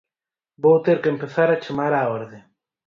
Vou ter que empezar a chamar á orde.